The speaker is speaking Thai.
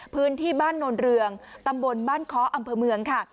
พื้นที่บ้านโนนเรืองตำบลบ้านเคาะอำเภอเมืองค่ะ